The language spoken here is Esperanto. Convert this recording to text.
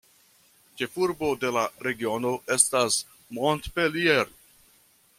Ĉefurbo de la regiono estas Montpellier.